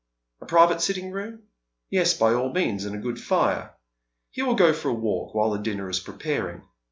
A private sitting room ? Yes, by all means, and a good fire. He will go for a walk while his dinner is prepaiing.